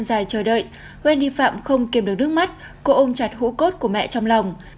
kỳ chờ đợi wendy phạm không kiềm được nước mắt cô ôm chặt hũ cốt của mẹ trong lòng